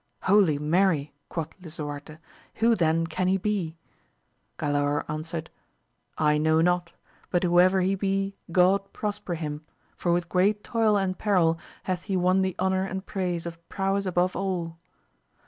Holy Mary ! quoth Lisuarte, who then can he be ? Galaor answered, I know not, but whoever he be God prosper him, for with great toil and peril hath he won the honour and praise of prowess above all.